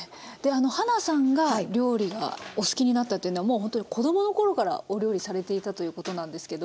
はなさんが料理がお好きになったっていうのはもうほんとに子供の頃からお料理されていたということなんですけど。